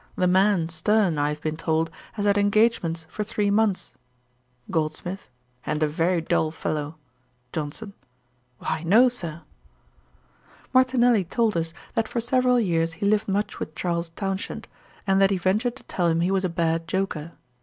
The man, Sterne, I have been told, has had engagements for three months.' GOLDSMITH. 'And a very dull fellow.' JOHNSON. 'Why, no, Sir.' Martinelli told us, that for several years he lived much with Charles Townshend, and that he ventured to tell him he was a bad joker.